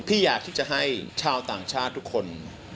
อยากที่จะให้ชาวต่างชาติทุกคน